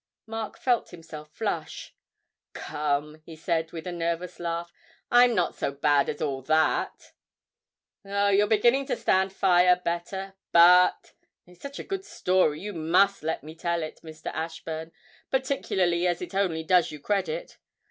Mark felt himself flush. 'Come,' he said, with a nervous laugh, 'I'm not so bad as all that!' 'Oh, you're beginning to stand fire better. But (it's such a good story you must let me tell it, Mr. Ashburn, particularly as it only does you credit).